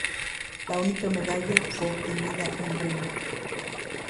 La única medalla fue obtenida en remo.